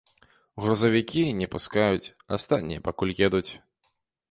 Грузавікі не пускаюць, астатнія пакуль едуць.